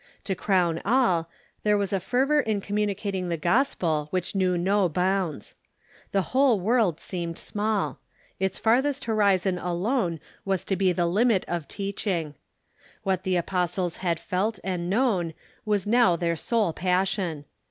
To crown all, there was a fer vor in communicating the gospel which knew no bounds. The whole world seemed small. Its farthest horizon alone was to be the limit of teaching. What the apostles had felt and known was now their sole passion.